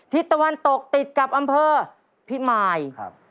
ตะวันตกติดกับอำเภอพิมายครับ